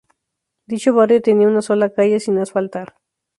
Dicho barrio tenía una sola calle sin asfaltar.